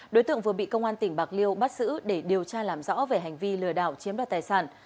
đối tượng vừa bị công an tỉnh bạc liêu bắt giữ để điều tra làm rõ về hành vi lừa đảo chiếm đoạt tài sản